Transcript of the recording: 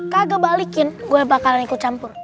kagak balikin gue bakalan ikut campur